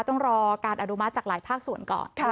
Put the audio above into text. ต้องรอการอนุมัติจากหลายภาคส่วนก่อน